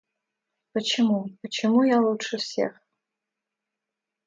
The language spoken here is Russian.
Почему, почему я лучше всех?